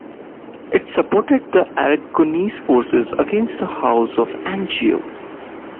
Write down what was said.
It supported the Aragonese forces against the House of Anjou.